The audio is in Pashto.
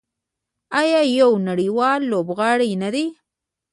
آیا یو نړیوال لوبغاړی نه دی؟